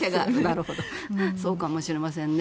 そうかもしれませんね。